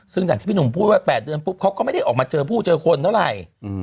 จากที่คุณหนุ่มพูด๘เดือนปุ๊บเขาก็ไม่ได้ออกมาเจอผู้เจอคนเท่าไร